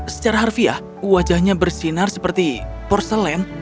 secara harfiah wajahnya bersinar seperti porselen